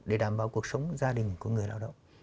để đảm bảo cuộc sống gia đình của người lao động